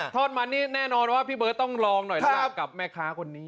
ทอดมันนี่แน่นอนว่าพี่เบิร์ตต้องลองหน่อยนะครับกับแม่ค้าคนนี้